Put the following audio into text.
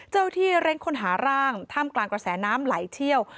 ที่เร่งค้นหาร่างท่ามกลางกระแสน้ำไหลเชี่ยว